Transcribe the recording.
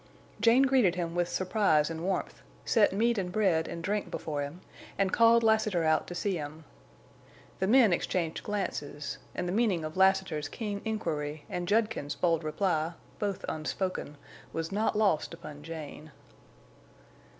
Jane greeted him with surprise and warmth, set meat and bread and drink before him; and called Lassiter out to see him. The men exchanged glances, and the meaning of Lassiter's keen inquiry and Judkins's bold reply, both unspoken, was not lost upon Jane.